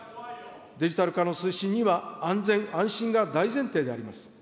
デジタル化の推進には、安全・安心が大前提であります。